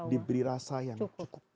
diberi rasa yang cukup